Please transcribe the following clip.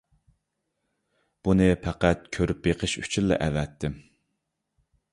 بۇنى پەقەت كۆرۈپ بېقىش ئۈچۈنلا ئەۋەتتىم.